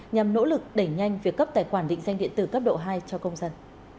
nhằm nỗ lực đẩy nhanh việc cấp tài khoản định danh điện tử cấp độ hai cho công dân